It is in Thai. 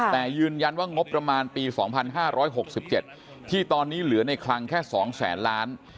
แต่ยืนยันว่างบประมาณปี๒๕๖๗ที่ตอนนี้เหลือในคลังแค่๒แสนล้าน